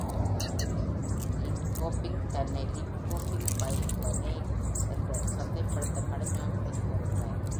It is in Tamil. லிட்கோப்பிங் தன்னை "லிட்கோப்பிங் பை வநேர்ன்" என்று சந்தைப்படுத்த கடுமையாக உழைத்து வருகிறார்.